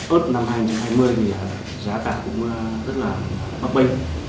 ớt năm hai nghìn hai mươi thì giá cả cũng rất là bấp bênh